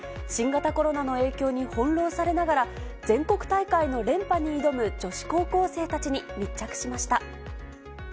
新型コロナの影響に翻弄されながら、全国大会の連覇に挑む女子高校生たちに密着しました。